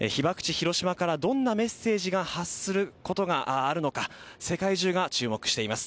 広島からどんなメッセージを発することがあるのか世界中が注目しています。